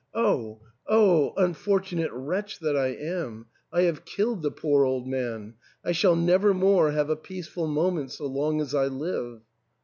Oh ! oh ! unfortunate wretch that I am ! I have killed the poor old man ! I shall never more have a peaceful moment so long as I live."